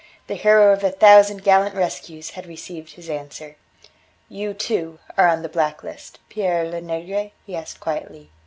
The hero of a thousand gallant rescues had received his answer. "You, too, are on the black list, Pere Lenegre?" he asked quietly.